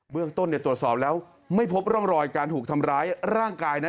เรื่องต้นตรวจสอบแล้วไม่พบร่องรอยการถูกทำร้ายร่างกายนะ